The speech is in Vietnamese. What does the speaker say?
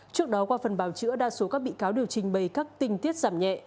trước đó qua phần bào chữa đa số các bị cáo đều trình bày các tình tiết giảm nhẹ